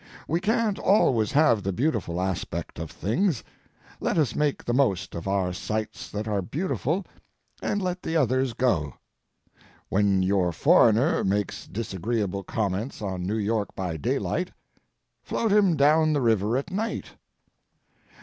We can't always have the beautiful aspect of things. Let us make the most of our sights that are beautiful and let the others go. When your foreigner makes disagreeable comments on New York by daylight, float him down the river at night.